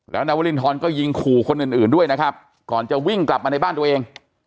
แล้วนายวรินทรก็ยิงขู่คนอื่นด้วยนะครับก่อนจะวิ่งกลับมาในบ้านตัวเอง